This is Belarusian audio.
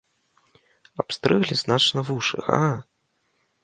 Абстрыглі значна вушы, га!